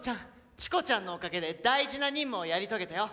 チコちゃんのおかげで大事な任務をやり遂げたよ。